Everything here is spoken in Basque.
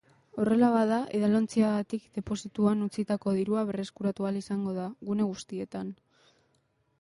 Horrela bada, edalontziagatik deposituan utzitako dirua berreskuratu ahal izango da gune guztietan.